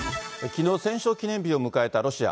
きのう、戦勝記念日を迎えたロシア。